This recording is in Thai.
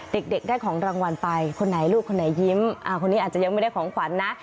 เด็กได้ของรางวัลไปคนไหนลูกคนไหนยิ้มคนนี้อาจจะยังไม่ได้ของขวัญนะ